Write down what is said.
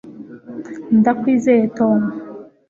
ndakwizeye, tom